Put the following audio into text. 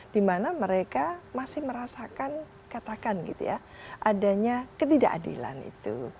dimana mereka masih merasakan katakan gitu ya adanya ketidakadilan itu